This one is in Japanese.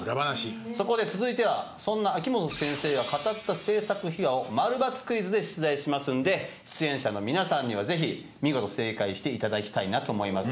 そこで続いてはそんな秋元先生が語った制作秘話を○×クイズで出題しますんで出演者の皆さんにはぜひ見事正解していただきたいなと思います。